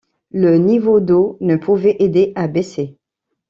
Le niveau d’eau ne pouvait aider à baisser.